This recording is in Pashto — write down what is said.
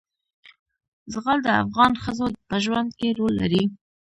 زغال د افغان ښځو په ژوند کې رول لري.